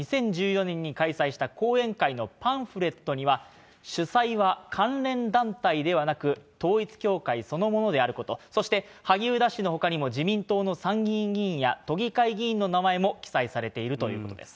２０１４年に開催した講演会のパンフレットには、主催は関連団体ではなく、統一教会そのものであること、そして萩生田氏のほかにも、自民党の参議院議員や都議会議員の名前も記載されているということです。